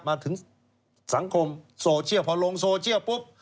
มาถึงสังคมโซเชียลพอลงโซเชียลปุ๊บ